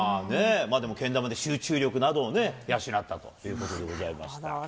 ね、でもけん玉で集中力などをね、養ったということでございました。